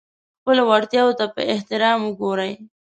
خپلو وړتیاوو ته په احترام وګورئ.